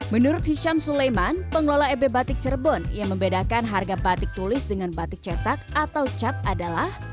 menurut hisham sulaiman pengelola ebe batik cerbon yang membedakan harga batik tulis dengan batik cetak atau cap adalah